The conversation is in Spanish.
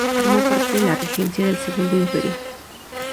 Formó parte de la Regencia del Segundo Imperio.